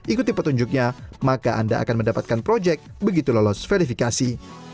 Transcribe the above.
ikuti petunjuknya maka anda akan mendapatkan proyek begitu lolos verifikasi